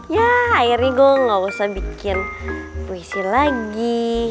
ya akhirnya gue gak usah bikin puisi lagi